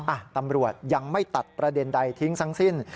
อ่ะตำรวจยังไม่ตัดประเด็นใดทิ้งทั้งสิ้น